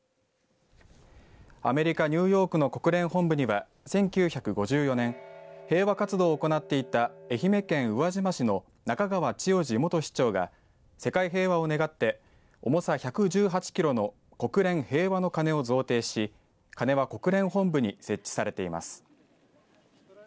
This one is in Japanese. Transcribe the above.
アメリカ、ニューヨークの国連本部には１９５４年平和活動を行っていた愛媛県宇和島市の中川千代治元市長が世界平和を願って重さ１１８キロの国連平和の鐘を贈呈し鐘は国連本部に設置されています。